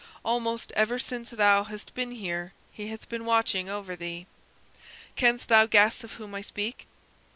Almost ever since thou hast been here he hath been watching over thee. Canst thou guess of whom I speak?"